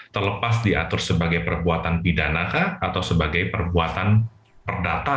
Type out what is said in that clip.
terlepas diatur sebagai perbuatan pidanaka atau sebagai perbuatan perdana